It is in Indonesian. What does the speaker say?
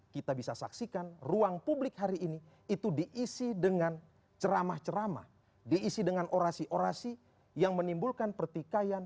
kita bisa saksikan ruang publik hari ini itu diisi dengan ceramah ceramah diisi dengan orasi orasi yang menimbulkan pertikaian